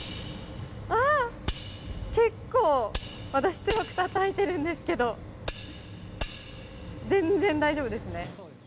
結構、私強くたたいているんですけど全然大丈夫ですね。